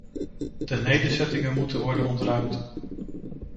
De nederzettingen moeten worden ontruimd.